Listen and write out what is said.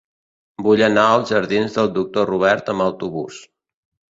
Vull anar als jardins del Doctor Robert amb autobús.